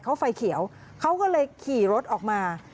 เขาไฟเขียวเขาก็เลยขี่รถออกมา